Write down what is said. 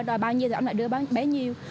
rồi bao nhiêu thì ông lại đưa bấy nhiêu